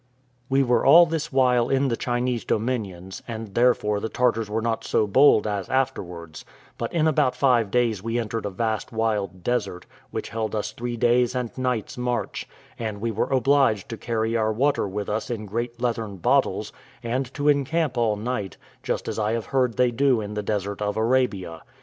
We were all this while in the Chinese dominions, and therefore the Tartars were not so bold as afterwards; but in about five days we entered a vast wild desert, which held us three days' and nights' march; and we were obliged to carry our water with us in great leathern bottles, and to encamp all night, just as I have heard they do in the desert of Arabia.